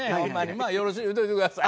まあよろしゅう言うといてください。